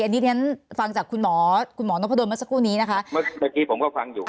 อันนี้ฉะนั้นฟังจากคุณหมอคุณหมอนพะโดนมาสักครู่นี้นะคะเมื่อกี้ผมก็ฟังอยู่ค่ะ